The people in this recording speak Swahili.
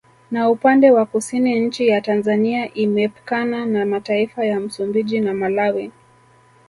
Na upande wa Kusini nchi ya Tanzania imepkana na mataifa ya Msumbiji na Malawi